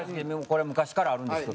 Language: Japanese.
これ昔からあるんです。